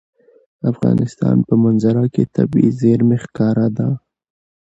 د افغانستان په منظره کې طبیعي زیرمې ښکاره ده.